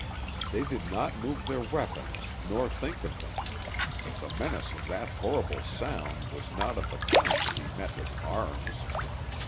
They did not move their weapons nor think of them; the menace of that horrible sound was not of the kind to be met with arms.